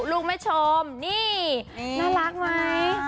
ลูกแม่ชมนี่น่ารักไหม